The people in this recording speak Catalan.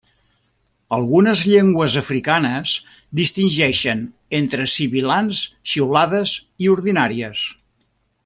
Algunes llengües africanes distingeixen entre sibilants xiulades i ordinàries.